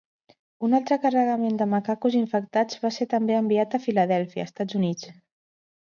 Un altre carregament de macacos infectats va ser també enviat a Filadèlfia, Estats Units.